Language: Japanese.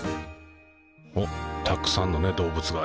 おったくさんのね動物が今。